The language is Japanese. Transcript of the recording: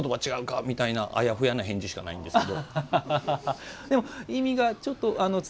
っていうあやふやな返事しかないんですけど。